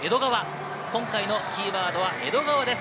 今回のキーワードは「えどがわ」です。